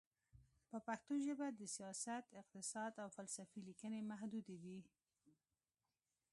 په پښتو ژبه د سیاست، اقتصاد، او فلسفې لیکنې محدودې دي.